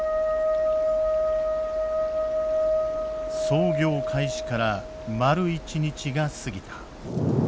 操業開始から丸一日が過ぎた。